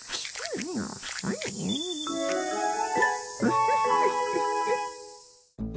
ウフフフフ。